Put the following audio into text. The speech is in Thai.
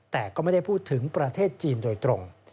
แต่ก็ไม่ได้พูดถึงประเทศจีนโดยตรง